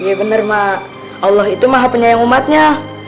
iya bener emak allah itu maha penyayang umatnya